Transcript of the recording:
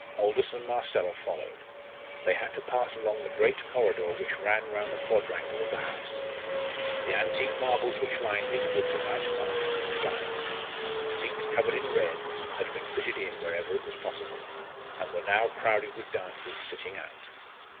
Aldous and Marcella followed. They had to pass along the great corridor which ran round the quadrangle of the house. The antique marbles which lined it were to night masked in flowers, and seats covered in red had been fitted in wherever it was possible, and were now crowded with dancers "sitting out."